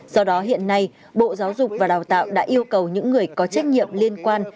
do đó hiện nay bộ giáo dục và đào tạo đã yêu cầu những người có trách nhiệm liên quan